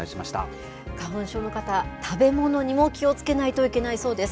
花粉症の方、食べ物にも気をつけないといけないそうです。